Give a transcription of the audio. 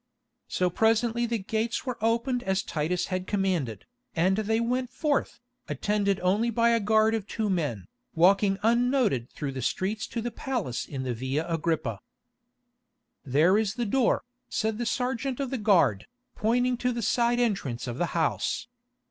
So presently the gates were opened as Titus had commanded, and they went forth, attended only by a guard of two men, walking unnoted through the streets to the palace in the Via Agrippa. "There is the door," said the sergeant of the guard, pointing to the side entrance of the house.